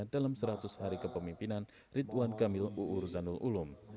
dalam seratus hari kepemimpinan ridwan kamil uu ruzanul ulum